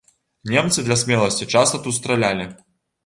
Немцы для смеласці часта тут стралялі.